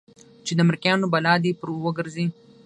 چې د امريکايانو بلا دې پر وګرځي.